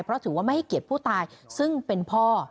เพราะถือว่าไม่ให้เกียรติผู้ตายซึ่งเป็นพ่อ